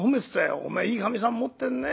『おめえいいかみさんもってるね。